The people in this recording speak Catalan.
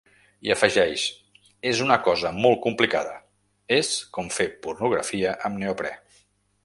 I afegeix: És una cosa molt complicada; és com fer pornografia amb neoprè.